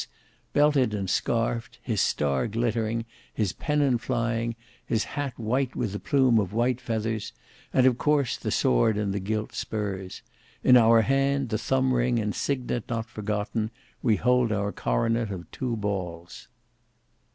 belted and scarfed; his star glittering; his pennon flying; his hat white with a plume of white feathers; of course the sword and the gilt spurs. In our hand, the thumb ring and signet not forgotten, we hold our coronet of two balls!"